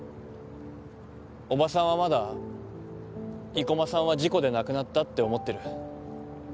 おばさんはまだ生駒さんは事故で亡くなったって思ってる。